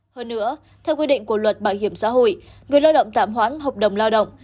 hơn nữa theo quy định của luật bảo hiểm xã hội người lao động tạm hoãn hợp đồng lao động